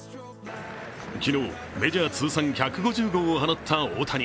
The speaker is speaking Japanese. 昨日、メジャー通算１５０号を放った大谷。